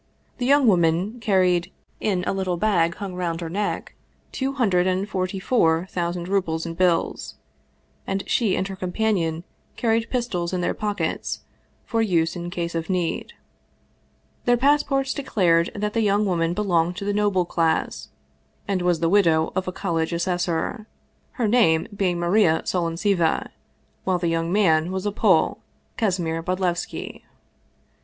The young woman carried, in a little bag hung round her neck, two hundred and forty four thousand rubles in bills, and she and her companion carried pistols in their pockets for use in case of need. Their passports declared that the young woman belonged to the noble class, and was the widow of a college assessor, her name being Maria Solontseva, while the young man was a Pole, Kasimir Bodlevski.